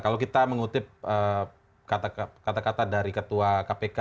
kalau kita mengutip kata kata dari ketua kpk